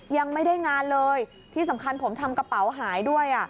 ยังไม่ได้งานเลยที่สำคัญผมทำกระเป๋าหายด้วย